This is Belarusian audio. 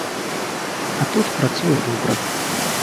А тут працуе добра.